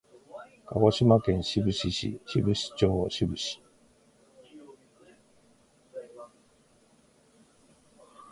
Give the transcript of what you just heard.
鹿児島県志布志市志布志町志布志